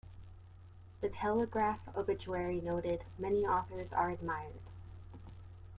"The Telegraph" obituary noted: "Many authors are admired.